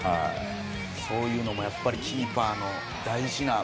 そういうのもやっぱりキーパーの大事な。